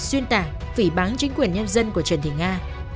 xuyên tạc phỉ bán chính quyền nhân dân của trần thị nga